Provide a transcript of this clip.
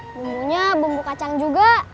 bumbunya bumbu kacang juga